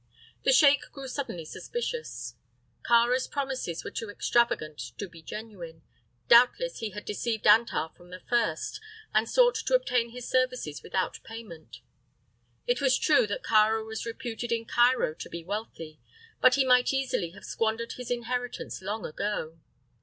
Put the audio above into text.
The sheik grew suddenly suspicious. Kāra's promises were too extravagant to be genuine; doubtless he had deceived Antar from the first, and sought to obtain his services without payment. It was true that Kāra was reputed in Cairo to be wealthy, but he might easily have squandered his inheritance long ago.